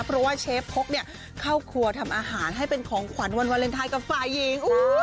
เพราะว่าเชฟพกเข้าครัวทำอาหารให้เป็นของขวัญวันวาเลนไทยกับฝ่ายหญิง